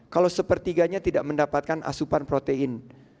kalau sepertiganya tidak mendapatkan asupan protein